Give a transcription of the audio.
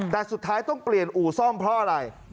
แต่สุดท้ายต้องเปลี่ยนอู่ซ่อมเพราะอะไร